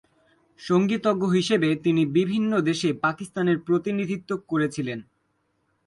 সঙ্গীতজ্ঞ হিসেবে তিনি বিভিন্ন দেশে পাকিস্তানের প্রতিনিধিত্ব করেছিলেন।